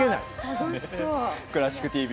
「クラシックＴＶ」